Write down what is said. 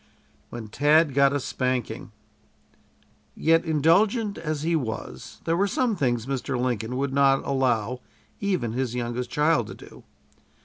WHEN TAD GOT A SPANKING Yet, indulgent as he was, there were some things Mr. Lincoln would not allow even his youngest child to do.